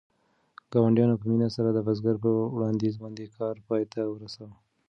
ګاونډیانو په مینه سره د بزګر په وړاندیز باندې کار پای ته ورساوه.